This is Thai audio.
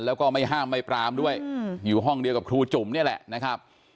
แล้วก็ไม่ห้ามไม่ปรามด้วยอยู่ห้องเดียวกับครูจุ่มนี่แหละนะครับ